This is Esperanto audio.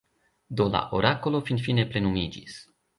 Do la orakolo finfine plenumiĝis.